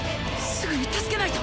すぐに助けないと！